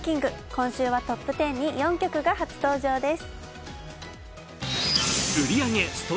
今週はトップ１０に４曲が初登場です